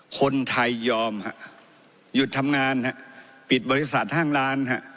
คนไทยยอมฮะหยุดทำงานฮะปิดบริษัทห้างล้านฮะ